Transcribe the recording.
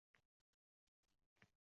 Gapding o‘g‘ilbolasini aytdingiz